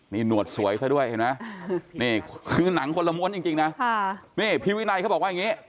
นี่หนวดสวยซะด้วยเห็นไหมนี่คือหนังคนละม้วนจริงนะนี่พี่วินัยเขาบอกว่าอย่างนี้